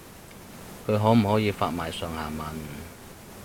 佢可唔可以發埋上下文